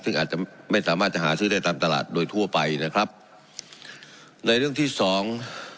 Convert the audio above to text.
ซึ่งอาจจะไม่สามารถจะหาซื้อได้ตามตลาดโดยทั่วไปนะครับในเรื่องที่สอง